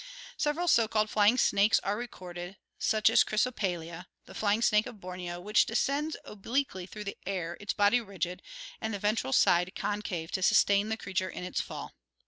Several so called flying snakes are re corded, such a s Chrysopelea, the fly ing snake of Borneo, which descends ob liquely through the air, its body rigid, and the ventral side con cave to sustain the creature in its fall.